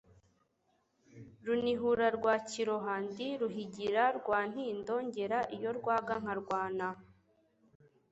Runihura rwa Kiroha, ndi Ruhigira rwa Ntindo ngera iyo rwaga nkarwana